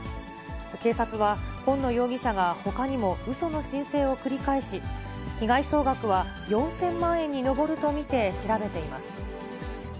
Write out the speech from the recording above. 警察は、紺野容疑者がほかにもうその申請を繰り返し、被害総額は４０００万円に上ると見て調べています。